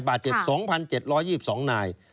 บาดเจ็บ๒๗๒๒นาย